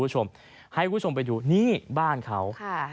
ให้คุณผู้ชมไปดูนี่บ้านเขา